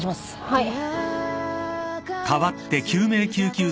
はい。